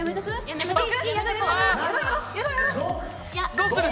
どうする？